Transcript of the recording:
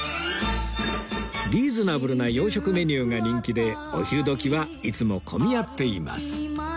リーズナブルな洋食メニューが人気でお昼時はいつも混み合っています